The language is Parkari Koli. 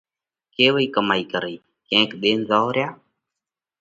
ڪيوئِي ڪمائِي ڪرئِي؟ ڪينڪ ۮينَ زائونه ريا،